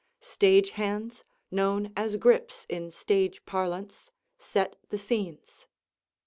Stage hands, known as "Grips" in stage parlance, set the scenes.